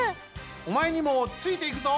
おまえにもついていくぞ！